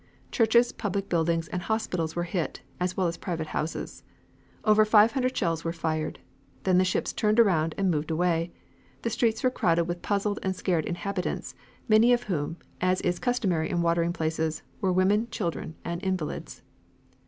Churches, public buildings, and hospitals were hit, as well as private houses. Over five hundred shells were fired. Then the ships turned around and moved away. The streets were crowded with puzzled and scared inhabitants, many of whom, as is customary in watering places, were women, children and invalids.